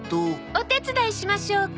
お手伝いしましょうか？